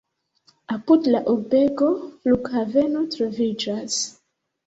Apud la urbego flughaveno troviĝas.